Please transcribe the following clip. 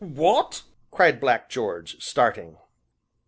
"What!" cried Black George, starting.